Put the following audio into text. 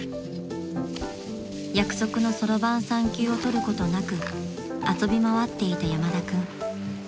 ［約束のそろばん３級を取ることなく遊び回っていた山田君］